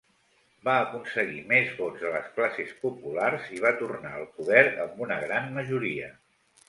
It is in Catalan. Va aconseguir més vots de les classes populars i va tornar al poder amb una gran majoria.